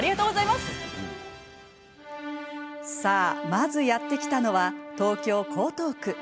まず、やって来たのは東京・江東区。